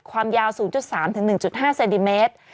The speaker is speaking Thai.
ความยาว๐๓๑๕เซนติเมตร